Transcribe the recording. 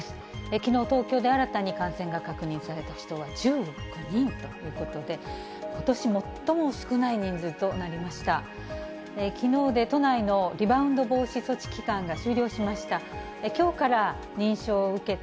きのう、東京で新たに感染が確認された人は１９人ということで、ことし最も少ない人数となりました。